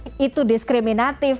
mereka merasa itu diskriminatif